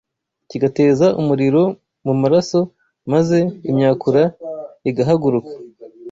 kigateza umuriro mu maraso, maze imyakura igahaguruka